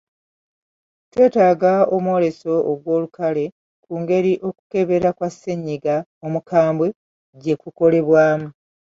Twetaaga omwoleso ogw'olukale ku ngeri okukebera kwa ssenyiga omukwambwe gye kukolebwamu.